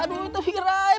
aduh itu bergerak